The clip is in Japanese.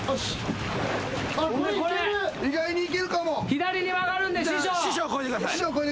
左に曲がるんで師匠。